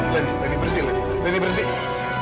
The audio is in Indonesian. leni berhenti lagi leni berhenti